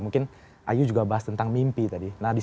mungkin ayu juga bahas tentang mimpi tadi